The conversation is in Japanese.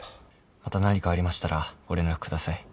また何かありましたらご連絡下さい。